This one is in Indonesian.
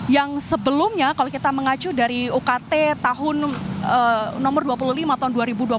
yang sebelumnya kalau kita mengacu dari ukt tahun dua puluh lima tahun dua ribu dua puluh